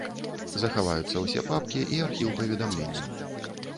Захаваюцца ўсе папкі і архіў паведамленняў.